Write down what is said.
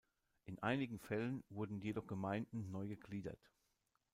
In einigen Fällen wurden jedoch Gemeinden neu gegliedert.